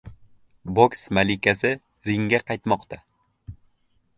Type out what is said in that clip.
Boks malikasi ringga qaytmoqda